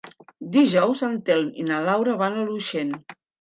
Dijous en Telm i na Laura van a Llutxent.